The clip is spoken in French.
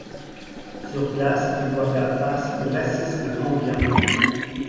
Sur place, il doit faire face au racisme ambiant.